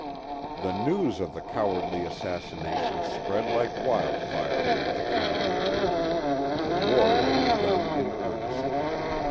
The news of the cowardly assassination spread like wildfire over the county. The war had begun in earnest.